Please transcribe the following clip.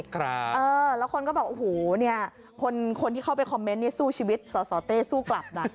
แล้วคนก็บอกโอ้โหเนี่ยคนที่เข้าไปคอมเมนต์สู้ชีวิตสสเต้สู้กลับนะ